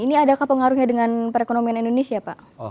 ini adakah pengaruhnya dengan perekonomian indonesia pak